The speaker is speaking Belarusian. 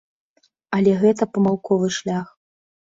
Але гэта памылковы шлях.